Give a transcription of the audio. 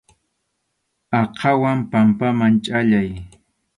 Aqhawan pampaman chʼallay.